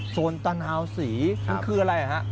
โซนตะนาวศรีนี่คืออะไรครับ